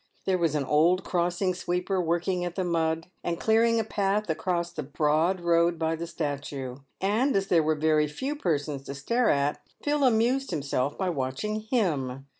There was an old crossing sweeper working at the mud, and clearing a path across the broad road by the statue ; and, as there were very few persons to stare at, Phil amused himself by watching him.